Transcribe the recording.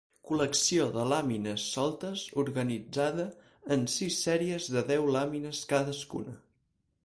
Col·lecció de làmines soltes organitzada en sis sèries de deu làmines cadascuna.